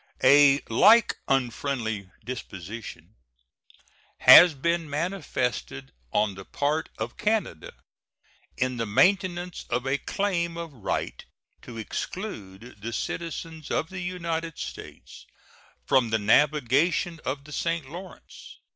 A like unfriendly disposition has been manifested on the part of Canada in the maintenance of a claim of right to exclude the citizens of the United States from the navigation of the St. Lawrence.